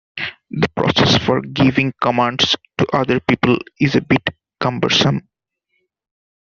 The process for giving commands to other people is a bit cumbersome.